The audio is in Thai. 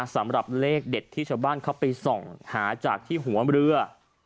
สำหรับเลขเด็ดที่ชาวบ้านเขาไปส่องหาจากที่หัวเรือ